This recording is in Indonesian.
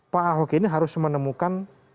pak ahok ini harus menemukan